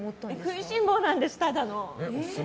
食いしん坊なんです、ただの。